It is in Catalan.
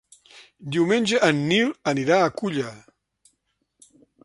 Diumenge en Nil anirà a Culla.